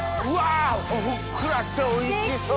ふっくらしておいしそう。